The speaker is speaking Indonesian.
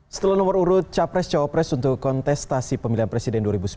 setelah nomor urut capres cawapres untuk kontestasi pemilihan presiden dua ribu sembilan belas